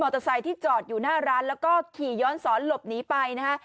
เตอร์ไซค์ที่จอดอยู่หน้าร้านแล้วก็ขี่ย้อนสอนหลบหนีไปนะฮะ